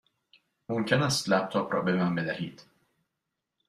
ممکن است لپ تاپ را به من بدهید؟